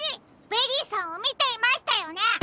ベリーさんをみていましたよね！